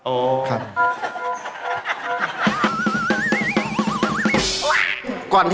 โอ้โห